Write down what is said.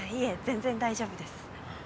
全然大丈夫です。